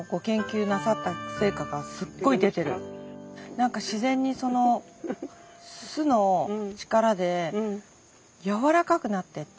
何か自然にその酢の力でやわらかくなってって。